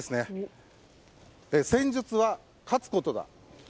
戦術は勝つことだ。